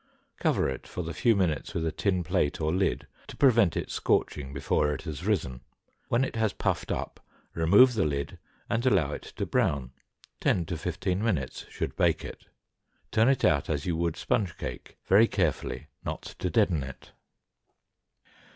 Cover it for the few minutes with a tin plate or lid, to prevent it scorching before it has risen; when it has puffed up remove the lid, and allow it to brown, ten to fifteen minutes should bake it; turn it out as you would sponge cake very carefully, not to deaden it.